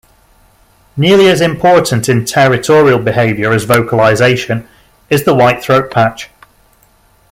Nearly as important in territorial behaviour as vocalization is the white throat patch.